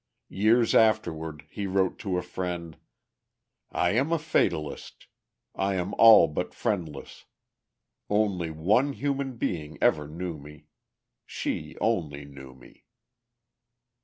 Years afterward, he wrote to a friend, "I am a fatalist. I am all but friendless. Only one human being ever knew me. She only knew me."